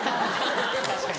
確かに。